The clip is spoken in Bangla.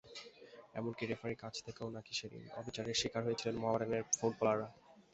এমনকি রেফারির কাছ থেকেও নাকি সেদিন অবিচারের শিকার হয়েছিলেন মোহামেডানের ফুটবলাররা।